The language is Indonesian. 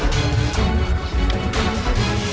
hei hantu duyuk